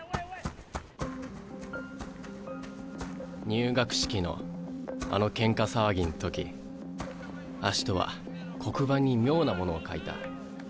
入学式のあのケンカ騒ぎん時アシトは黒板に妙なものを書いた。